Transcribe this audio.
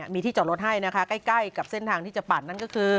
มีที่จอดรถให้นะคะใกล้กับเส้นทางที่จะปัดนั่นก็คือ